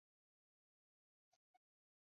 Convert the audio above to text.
在欧洲有多条琥珀之路。